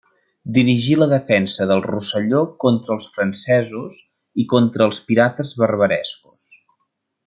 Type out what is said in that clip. Dirigí la defensa del Rosselló contra els francesos i contra els pirates barbarescos.